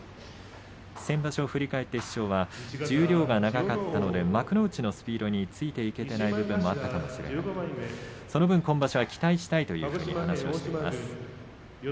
先場所を振り返って師匠は十両が長かったので幕内のスピードについていけてないこともあったかもしれないその分、今場所は期待したいという話をしていました。